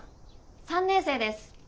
３年生です。